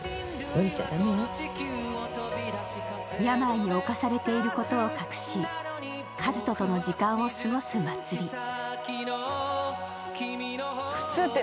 病におかされていることを隠し和人との時間を過ごす茉莉。